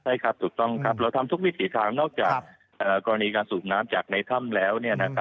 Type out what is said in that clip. ใช่ครับถูกต้องครับเราทำทุกวิถีทางนอกจากกรณีการสูบน้ำจากในถ้ำแล้ว